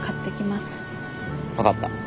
分かった。